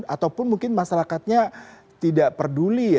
ataupun mungkin masyarakatnya tidak peduli ya